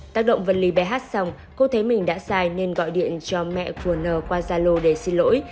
tác động vận lý bh xong cô thấy mình đã sai nên gọi điện cho mẹ của n qua gia lô để xin lỗi